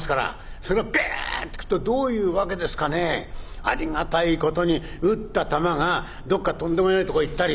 それがビュッと来るとどういうわけですかねぇありがたいことに打った球がどっかとんでもねえとこ行ったり。